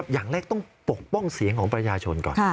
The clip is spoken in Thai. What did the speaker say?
อย่างแรกต้องปกป้องเสียงของประชาชนก่อน